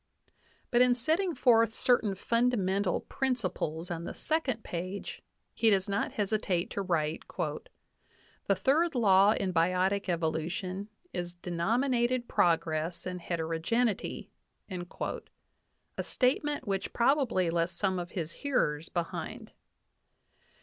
but in setting forth certain fundamental principles on the second page, he does not hesitate to write : "The third law in biotic evolution is denominated progress in heter ogeneity," a statement which probably left some of his hearers behind.